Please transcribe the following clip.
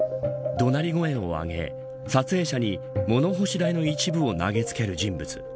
怒鳴り声を上げ撮影者に物干し台の一部を投げつける人物。